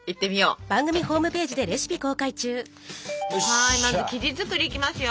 はいまず生地作りいきますよ。